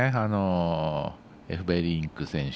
エフベリンク選手